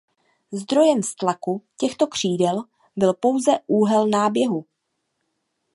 Zdrojem vztlaku těchto křídel byl pouze úhel náběhu.